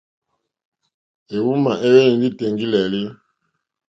Éhwùmá éhwélì ndí tèŋɡí!lélí.